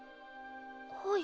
はい。